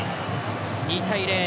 ２対０。